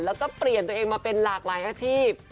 แล้วก็เปลี่ยนตัวเองมาเป็นหลากหลายอาชีพ